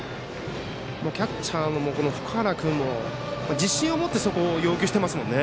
キャッチャーの福原君も自信を持ってそこを要求してますもんね。